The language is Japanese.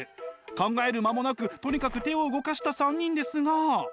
考える間もなくとにかく手を動かした３人ですが。